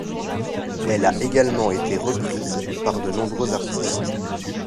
Elle a également été reprise par de nombreux artistes.